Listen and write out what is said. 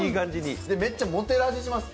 めっちゃモテる味、します。